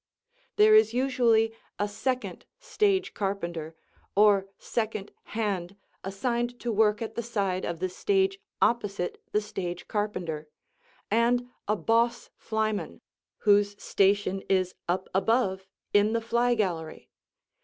There is usually a second stage carpenter, or second hand assigned to work at the side of the stage opposite the stage carpenter, and a boss flyman, whose station is up above in the fly gallery.